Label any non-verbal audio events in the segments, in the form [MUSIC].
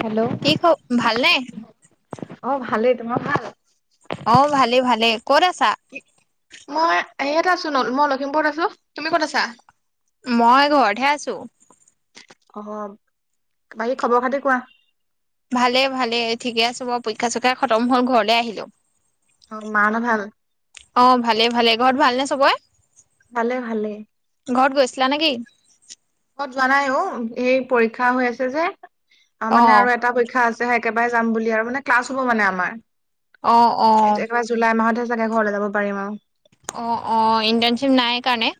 Hello, কি খ ভালনে? অ', ভালেই, তোমাৰ ভাল? অ', ভালে ভালে। ক'ত আছা? মই সেয়াত আছো ন মই লখিমপুৰত আছো। তুমি ক'ত আছা? মই ঘৰত হে আছো। অ', বাকী খবৰ-খাতি কোৱা? ভালে ভালে। ঠিকে আছো বাৰু। পৰীক্ষা চৰীক্ষা খতম হ'ল, ঘৰলে আহিলো। অ', মাহঁতৰ ভাল? অ', ভালে ভালে। ঘৰত ভালনে চবৰে? ভালে ভালে। ঘৰত গৈছিলা নেকি? ঘৰত যোৱা নাই অ'। এইৰ পৰীক্ষা হৈ আছে যে। অ', মানে আৰু এটা পৰীক্ষা আছে। যে একেবাৰে যাম বুলি আৰু মানে ক্লাছ হ'ব মানে আমাৰ। অ', অ, একেবাৰে জুলাই মাহতহে চাগে ঘৰলে যাব পাৰিম আৰু অ', অ, ইণ্টাৰ্নছিপ নাই কাৰণে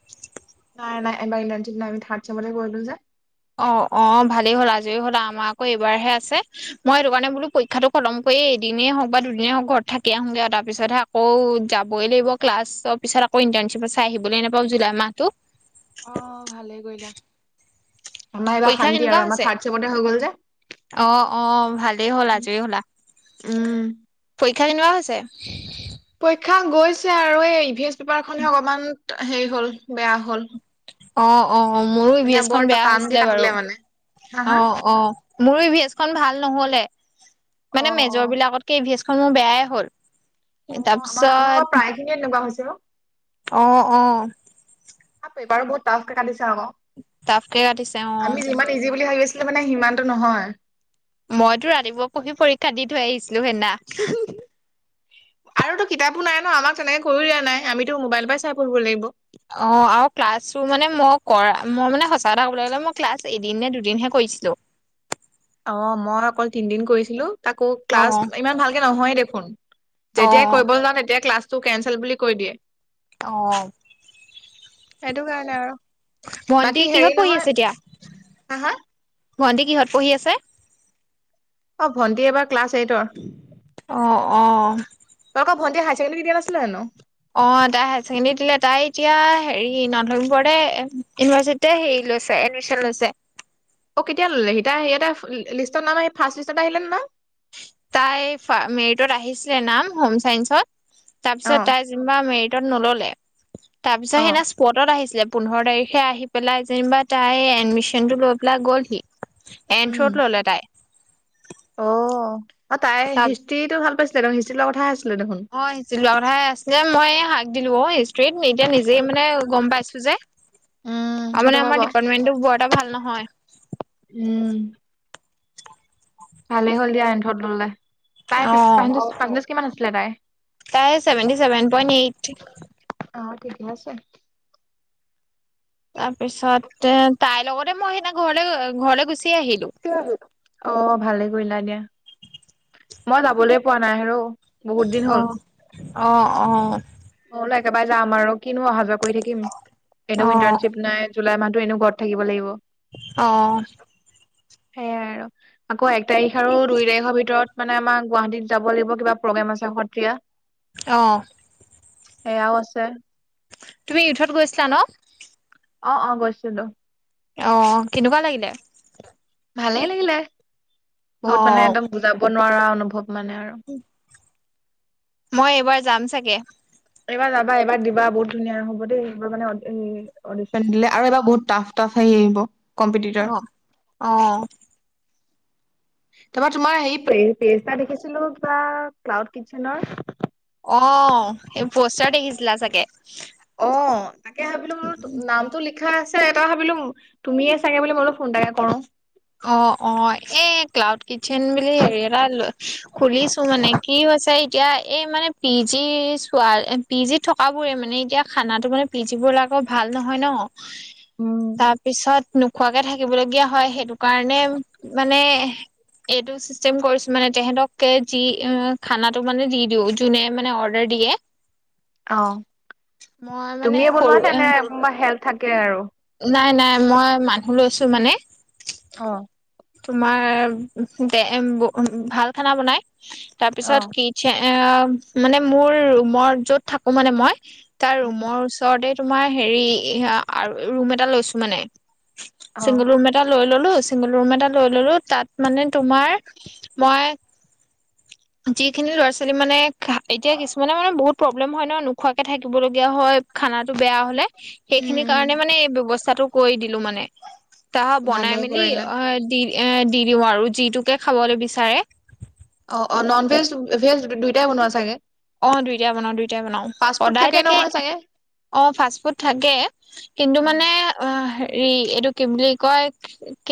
নাই নাই। এইবাৰ ইণ্টাৰ্নছিপ নাই। আমি থাৰ্ড চেমতে কৰিলো যে। অ', অ, ভালেই হ'ল, আজৰি হ'লা, আমাৰ আকৌ এইবাৰহে আছে। মই হেতু কাৰণে বোলো পৰীক্ষাটো খতম কৰি এদিনেই হওঁক বা দুদিনেই হওঁক ঘৰত থাকি আহোংগে আৰু তাৰ পিছত হে আকৌ যাবই লাগিব। ক্লাছৰ পিছত আকৌ ইন্টাৰ্নছিপ আছে, আহিবলৈ নাপাওঁ জুলাই মাহতো। অ', ভালেই কৰিলা। আমাৰ এইবাৰ পৰীক্ষা শান্তি কেনেকুৱা আৰু আমাৰ হৈছে থাৰ্ড চেমতে হৈ গ'ল যে। অ', অ', ভালেই হ'ল আজৰি হ'লা। উম। পৰীক্ষা কেনেকুৱা হৈছে? পৰীক্ষা গৈছে আৰু, এই এইচ পেপাৰখনহে অকমান হেৰি হ'ল বেয়া হ'ল। অ', অ'। মোৰো ই ভি মানে বৰ এছখন বেয়া টানকে হৈছিলে কাটিলে বাৰু। মানে। হা হা? অ', অ'। মোৰো ই ভি এচখন ভাল নহ'লে। মানে অ', অ', মেজৰ বিলাকতকে ই ভি এচখন মোৰ বেয়াই হ'ল। অ' আমাৰ তাৰপিছত আমাৰ প্ৰায়খিনিৰে এনেকুৱা হৈ হৈছে ন'। অ', অ'। পেপাৰ বহুত টাফকে কাটিছে আকৌ। টাফকে কাটিছে অ'। আমি যিমান ইজি বুলি ভাবি আছিলোঁ মানে, সিমানটো নহয়। মইতো ৰাতিপুৱা পঢ়ি পৰীক্ষা দি থৈ আহিছিলোঁ সেদনা। [UNINTELLIGIBLE] আৰু টো কিতাপো নাই ন'? আমাক তেনেকে কৈও দিয়া নাই। আমিতো মোবাইল পা চাই পঢ়িব লাগিব। অ', আৰু ক্লাছো মানে মই কৰা, মই মানে সঁচা কথা ক'বলে গ'লে মই ক্লাছ এদিন নে দুদিনহে কৰিছিলোঁ। অ' মই অকল তিনিদিন কৰিছিলোঁ। আকৌ অ', ক্লাছ ইমান ভালকে নহয়ে দেখোন, যেতিয়াই অ', কৰিব যাওঁ তেতিয়াই ক্লাছ টো কেনচেল বুলি কৈ দিয়ে। অ'। সেইটোকাৰণে আৰু বাকী ভণ্টি হেৰি কিহত পঢ়ি নহয়, আছে এতিয়া? হা হা? ভণ্টি কিহত পঢ়ি আছে? অ' ভণ্টি এইবাৰ ক্লাছ এইটত। অ' অ। তোমালোকৰ ভণ্টিয়ে হাই-ছেণ্ডদাৰি দিয়া নাছিলে জানোঁ? অ', তাই হায়াৰ ছেকেণ্ডৰী দিলে। তাই এতিয়া হেৰি নৰ্থ লখিমপুৰতে ইউনিভাৰ্চিট তে হেৰি লৈছে, এডমিশ্যন লৈছে। অ', কেতিয়া ল'লেহি? তাই আহি লি লিষ্টত নাম আহি, ফাৰ্ষ লিষ্টত আহিলে নে নাম? তাই ফা মেৰিটত আহিছিলে নাম হোম চাইন্সত, অ তাপিছত তাই নিবা মেৰিটত নল'লে। তাৰ পিছত অ সেদনা পটত আহিছিলে, পোন্ধৰ তাৰিখে আহি পেলাই যেনিবা তাই এডমিশনটো লৈ পেলাই গ'লহি। এনথ্ৰত ল'লে তাই? ও, অ' তাই তাক হিষ্ট্ৰ্ৰীটো ভাল পাইছিলে দেখোন, হিষ্ট্ৰীৰ লোৱা কথা আছিলে দেখোন। হয়, হিষ্ট্ৰীট লোৱা কথা হে আছিলে। ময়ে হাক দিলোঁ অ' ট্ৰেত মেএ নিজেই মানে গম পাইছো যে উম আৰু সেইটো মানে আমাৰ ডিপাৰ্টমেণ্টো বৰ এটা ভাল নহয়। উম। ভালেই হ'ল দিয়া এন্থত ল'লে। তাই অ পিপ পাছেন্তেছ পাছেন্তেছ কিমান আছিলে তাই? তাই ছেভেণ্টি ছেভেন পইন এইট। অ' ঠিকে আছে। তাৰপিছতে তাইৰ লগতে মই সিনা ঘৰলৈ ঘৰলে গুচি আহিলো। কিয় হিল? অ' ভালে কৰিলা দিয়া, মই যাবলৈ পোৱা নাই হেৰৌ। অ', অ' অ'। ঘৰলৈ একেবাৰে যাম আৰু, কিনো অহা-যোৱা কৰি থাকিম। এনেও অ', ইন্টাৰ্নশ্বিপ নাই। জুলাই মাহতো এনেও ঘৰত থাকিব লাগিব। অ'। সেয়াই আৰু। আকৌ এক তাৰিখ আৰু দুই তাৰিখৰ ভিতৰত মানে আমাৰ গুৱাহাটীত যাব লাগিব কিবা প্ৰগ্ৰেম আছে সত্ৰীয়া। অঁ। এয়াও আছে। তুমি ইউথত গৈছিলা ন? অ' অ' গৈছিলো। অ কেনেকুৱা লাগিলে? ভালেই লাগিলে, বহুত মানে অ', একদম বুজাব নোৱাৰা অনুভৱ মানে আৰু। মই এইবাৰ যাম চাগে। এইবাৰ যাবা, এইবাৰ দিবা বহুত ধুনীয়া হ'ব দেই গৈ মানে [UNINTELLIGIBLE] অডিশ্যন দিলে আৰু এবাৰ বহুত টাফ টাফ হেৰি আহিব। কম্পিটিটৰ অ' অ'। তাৰপা তোমাৰ হেৰি পে-পেজ এটা দেখিছিলো কিবা ক্লাউড কিটচেনৰ। অ' এই পোষ্টাৰ দেখিছিলা চাগে। অ' তাকে ভাবিলো নামটো লিখি লিখা আছে, তাৰপা ভাবিলো তুমিয়ে চাগে বুলি মই বোলো ফোন এটাকে কৰো। অ' অ' এ ক্লাউড কিটচেন বুলি হেৰি এটা খুলিছো মানে কি হৈছে এতিয়া এই মানে পিজি চোৱা পিজিত থকাবোৰে মানে এতিয়া খানাটো মানে পিজি বিলাকৰ ভাল নহয় ন। উম তাৰ পিছত নোখোৱাকে থাকিবলগীয়া হয়। সেইটো কাৰণে মানে এইটো চিষ্টেম কৰিছো মানে তেহঁতক কে যি খানাটো মানে দি দিও, যোনে মানে অৰ্ডাৰ দিয়ে। অ' মই মানে তুমিয়ে সৰু বনোৱা নে, তোমাৰ হেল্প থাকে আৰু। নাই নাই মই মানুহ লৈছো মানে। অ'। তোমাৰ দে ব ভাল খানা বনাই। অ তাৰপিছত কি চে অ' মানে মোৰ ৰুমৰ য'ত থাকো মানে মই তাৰ উম ৰুমৰ ওচ ওচৰতে তোমাৰ হেৰি আ ৰুম এটা লৈছো মানে, অ চিংগল ৰুম এট টা লৈ ললো, চিংগোল ৰুম এটা লৈ ললো তাত মানে তোমাৰ মই [INAUDIBLE] যিখিনি ল'ৰা-ছোৱালী মানে খা এতিয়া কিছুমানে মানে বহুত প্ৰব্লেম হয় ন, নোখোৱাকে থাকিবলগীয়া হয়। খানাটো বেয়া হ'লে, উম সেইখিনিৰ উম কাৰণে মানে এই ব্যৱস্থাটো কৰি দিলো মানে। তাহ বনাই ভালে মেলি কৰিলা অ' দি এ দি দিওঁ আৰু যিটোকে খাবলে বিচাৰে। অ' অ' নন ভেজ, ভেজ দুইটাই বনোৱা চাগে? অ' দুইটাই বনাও, দুইটাই বনাও। ফাষ্ট ফুড সদায় থাকেই তাকে নহয় চাগে অ' ফাষ্ট ফুড থাকে। কিন্তু উম মানে অ' হেৰি এইটো কি বুলি কয়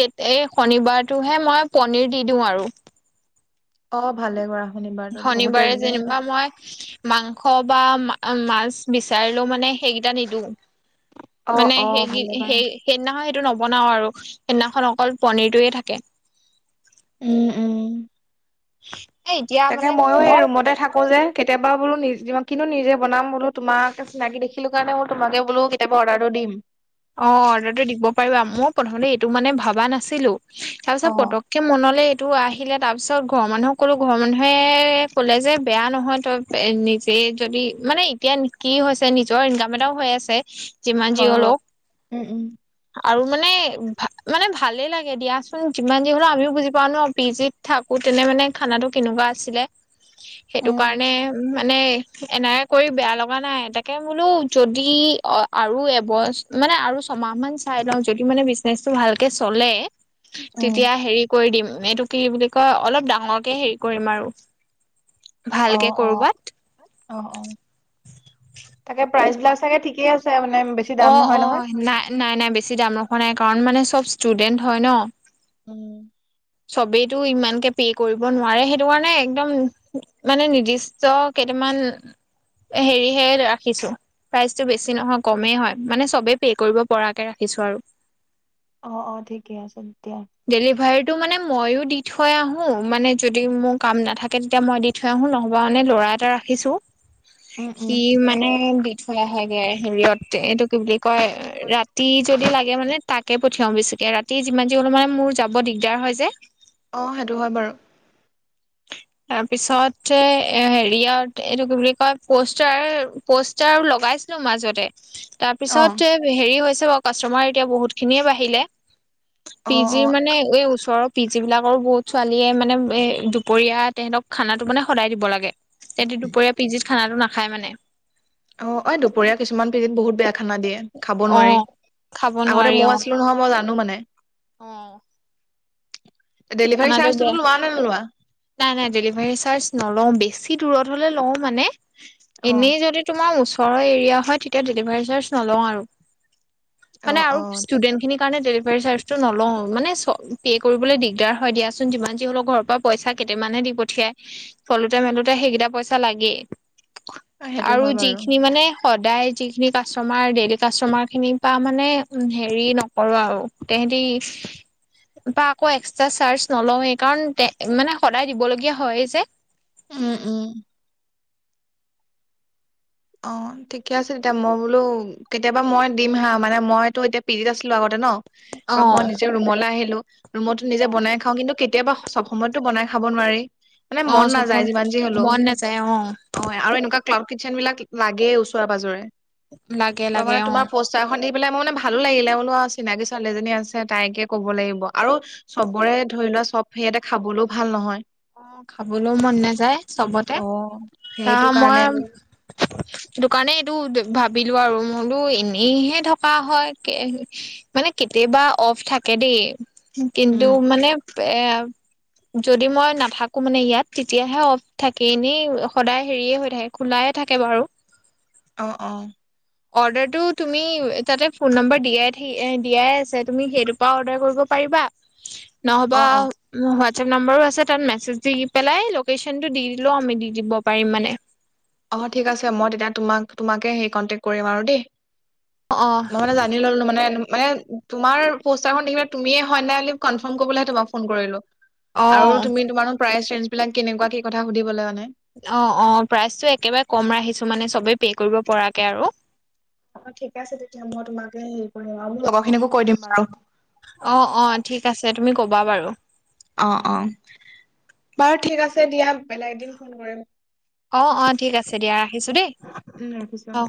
এই শনিবাৰটোহে মই পনীৰ দি দিওঁ আৰু। অ' ভালে কৰা। শনিবাৰটোত বহুতে শনিবাৰে যেনিবা মই মাংস বা মাছ বিচাৰিলেও মানে সেইকেইটা নিদো। অ মানে, অ সেই ভালে কৰা সেই সেইদিনাখন সেইটো নবনাও আৰু সেইদিনাখন অকল পনীৰটোয়ে থাকে। উম উম। এ এতিয়া তাকে মানে মইয়ো এই মই ৰুমতে থাকো যে। কেতিয়াবা বোলো নি কিনো নিজে বনাম বোলো, তোমাকে চিনাকি দেখিলো কাৰণে মই তোমাকে বোলো, কেতিয়াবা অৰ্ডাৰটো দিম। অ' অৰ্ডাৰটো দিব পাৰিবা, মই প্ৰথমতে এইটো মানে ভবা নাছিলো। তাৰ পিছত অ পতক টে মনলৈ এইটো আহিলে, তাৰপিছত, ঘৰৰ মানুহক ক'লো, ঘৰৰ মানুহে ক'লে যে, বেয়া নহয় তই এ, নিজেই যদি, মানে এতিয়া কি হৈছে, নিজৰ ইনকাম এটাও হৈ আছে যিমান যি হয় বাৰু, হলেও উম, উম। আৰু মানে, মানে ভালেই লাগে দিয়াচোন, যিমান যি হ'লেও আমিও বুজি পাওঁ ন, পিজিত থাকোঁ, তেনে মানে, খানাটো কেনেকুৱা আছিলে? সেইটো উম কাৰণে মানে, এনেকুৱা কৰি বেয়া লগা নাই। তাকে বোলো যদি, অ' আৰু এবছ, মানে আৰু ছমাহ মান চাই লওঁ, যদি মানে, বিজনেচটো ভালকে চলে উম তেতিয়া হেৰি কৰি দিম, এইটো কি বুলি কয়, অলপ ডাঙৰকে হেৰি কৰিম আৰু, অ ভালকে অ কৰবাত অ', অ', তাকে প্ৰাইজবিলাক চাগে ঠিকে আছে মানে, বেছি দাম অ', নহয় নহয় অ', নাই, নাই, নাই, বেছি দাম ৰখা নাই, কাৰণ মানে চব ষ্টুডেন্ট হয় ন উম। চবেইটো ইমানকে পে কৰিব নোৱাৰে। সেইটো কাৰণে একদম মানে, নিৰ্দিষ্ট কেইটামান এ, হেৰিহে ৰাখিছো। প্ৰাইচটো বেছি নহয়, কমেই হয়। মানে, চবেই পে কৰিব পৰাকে ৰাখিছো আৰু অ', অ', ঠিকেই আছে দিয়া। ডেলিভাৰীটো মানে, ময়ো দি থৈ আহোঁ, মানে যদি মোৰ কাম নাথাকে, তেতিয়া মই দি থৈ আহোঁ নহ'বা মানে, ল'ৰা এটা ৰাখিছোঁ, উম উম সি মানে দি থৈ আহেগে হেৰিয়ত, এইটো কি বুলি কয়? ৰাতি যদি লাগে, মানে তাকে পঠিয়াওঁ বেচিকে। ৰাতি যিমান যি হলেও মানে, মোৰ যাব দিগদাৰ হয় যে অ', সেইটো হয় বাৰু। তাৰপিছতে, এ, হেৰিয়ত, এইটো কি বুলি কয়? প'ষ্টাৰ প'ষ্টাৰ লগাইছিলো মাজতে অ তাৰপিছতে, হেৰি হৈছে বাৰু, কাষ্টমাৰ এতিয়া বহুতখিনিয়ে বাঢ়িলে অ পিজিৰ অ মানে, এই ওচৰৰ পিজিবিলাকৰো বহুত ছোৱালীয়ে মানে, এই দুপৰীয়া, তেহেতক খানাটো মানে সদায় দিব লাগে। তেহেতি দুপৰীয়া পিজিত খানাটো নাখায় মানে অ', এ, দুপৰীয়া কিছুমান পিজিত বহুত বেয়া খানা দিয়ে। খাব অ নোৱাৰি। খাব নোৱাৰি আগতে ময়ো আছিলো নহয়, মই জানো মানে অ'। ডেলিভাৰী খানাটো বেয়া চাৰ্জটোতো লোৱা নে নোলোৱা? নাই, নাই, ডেলিভাৰী চাৰ্জ নলওঁ, বেছি দূৰত হ'লে লওঁ মানে, অ এনেই যদি তোমাৰ ওচৰৰ এৰিয়া হয়, তেতিয়া ডেলিভাৰী চাৰ্জ নলওঁ আৰু অ মানে, আৰু অ ষ্টুডেন্টখিনিৰ কাৰণে ডেলিভাৰী চাৰ্জটো নলওঁ, মানে, চ, পে' কৰিবলৈ দিগদাৰ হয় দিয়াচোন, যিমান যি হলেও, ঘৰৰ পৰা পইচা কেইটামানহে দি পঠিয়াই। চলোতে-মেলোতে সেইকেইটা পইচা লাগেই, সেইটো আৰু হয় বাৰু যিখিনি মানে সদায় যিখিনি কাষ্টমাৰ, ডেইলী কাষ্টমাৰখিনিৰ পৰা মানে হেৰি, নকৰোঁ আৰু তেহেতি পা আকৌ, এক্স টা চাৰ্জ নলওঁৱেই, কাৰণ, তে, মানে সদায় দিবলগীয়া হয়ে যে উম, উম। অ' ঠিকেই আছে, তেতিয়া মই বোলো, কেতিয়াবা মই দিম হা, মানে মইতো, এতিয়া পিজিত আছিলো আগতে ন ত', মই অ' নিজে ৰুমলৈ আহিলোঁ, ৰুমতটো নিজে বনাই খাওঁ, কিন্তু কেতিয়াবা, চব সময়তটো বনাই খাব নোৱাৰি মানে, মন অ' নাযায়, চবৰ যিমান যি হ'লেও মন নাযায় অ', আৰু এ-এনেকুৱা ক্লাউড কিচেনবিলাক লাগেও ওচৰে-পাজৰে লাগে তোমাৰ, লাগে মানে তোমাৰ অ' [UNINTELLIGIBLE] [UNINTELLIGIBLE] খন দেখি পেলাই মোৰ মানে ভালো লাগিলে বোলো, চিনাকি ছোৱালীজনী আছে তাইকে ক'ব লাগিব, আৰু চবৰে ধৰি লোৱা চব সেইয়াতে খাবলৈও ভাল নহয়। অ', খাবলৈও মন নাযায় চবতে অ', অ, সেইটো কাৰণে মই [INAUDIBLE] দোকানে এইটো ভাবিলো আৰু মই বোলো, এনেইহে থকা হয়। মানে কেতিয়াবা অফ থাকে। দেই, কিন্তু উম মানে এ, যদি মই ন থাকো মানে ইয়াত তেতিয়াহে অফ থাকে। এনেই সদায় হেৰিয়ে হৈ থাকে, খোলাইে থাকে বাৰু। অ', অ, অৰ্ডাৰটো তুমি তাতে ফোন নম্বৰ দিয়াই থাকি দিয়াই আছে। তুমি সেইটোৰ পৰা অৰ্ডাৰ কৰিব পাৰিবা। [INAUDIBLE] অ নহবাৰ হোৱাটছএপ নম্বৰো আছে। তাত মেছেজ দি দি পেলাই লোকেশ্যনটো দি দিলেও আমি দি দিব পাৰিম মানে। অ', ঠিক আছে। মই তেতিয়া তোমাক তোমাকে কন্টেক কৰিম আৰু দে, অঁ মই মানে ললো মানে মানে তোমাৰ পষ্টাৰ দেখিলে তুমিয়ে হয় নাই কনফাম কৰিবলৈ হে তোমাক ফোন কৰিলো। অঁ আৰু তুমি তোমাৰো প্ৰায়েছেজ বিলাক কেনেকুৱা কি কথা সুধিবলৈ মানে অ', অ, প্ৰাইচতটো একেবাৰে কম ৰাখিছো মানে চবেই পে কৰিব পৰাকে আৰু অ', ঠিক আছে। তেতিয়া মই তোমাকে হেৰি কৰিম আৰু মোৰ লগৰ খিনিকো কৈ দিম আৰু অ', অ, ঠিক আছে। তুমি ক'বা বাৰু অ', অ, বাৰু ঠিক আছে দিয়া। বেলেগ এদিন ফোন কৰিম। অ', অ, ঠিক আছে দিয়া। ৰাখিছো দেই উম ৰাখিছো। অ,